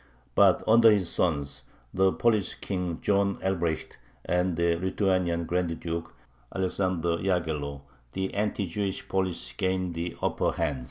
But under his sons, the Polish King John Albrecht and the Lithuanian Grand Duke Alexander Yaghello, the anti Jewish policy gained the upper hand.